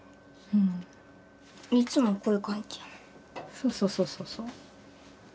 そうそうそうそうそう。